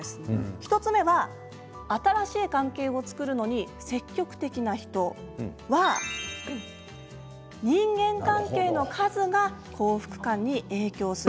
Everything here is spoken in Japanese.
１つ目は、新しい関係を作るのに積極的な人は人間関係の数が幸福感に影響する。